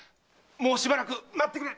もうしばらく待ってくれ！